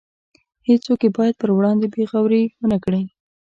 هیڅوک یې باید پر وړاندې بې غورۍ ونکړي.